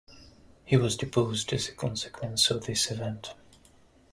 He was deposed as a consequence of this event.